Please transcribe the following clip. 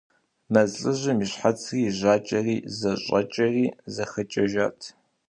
Мэз лӏыжьым и щхьэцри и жьакӏэри зэщӏэкӏэри зыхэкӏэжат.